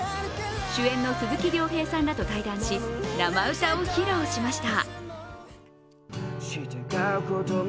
主演の鈴木亮平さんらと対談し生歌を披露しました。